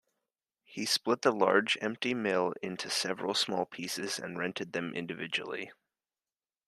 He split the large, empty mill into several small pieces and rented them individually.